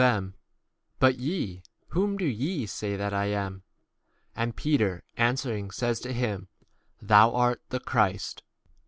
them, But ye, whom do ye say that I am? And Peter answering says to him, 30 Thou art the Christ.